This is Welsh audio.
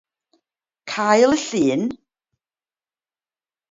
Cael y Llun?